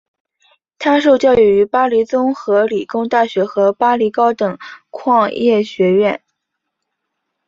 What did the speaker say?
他受教育于巴黎综合理工大学和巴黎高等矿业学院。